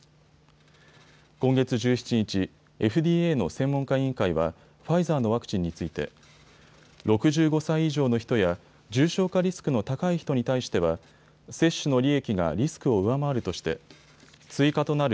今月１７日、ＦＤＡの専門家委員会はファイザーのワクチンについて６５歳以上の人や重症化リスクの高い人に対しては接種の利益がリスクを上回るとして追加となる